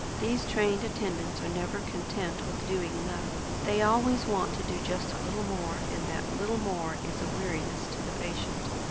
These trained attendants are never content with doing enough; they always want to do just a little more, and that little more is a weariness to the patient.